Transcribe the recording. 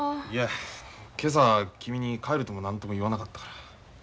いや今朝君に帰るとも何とも言わなかったから。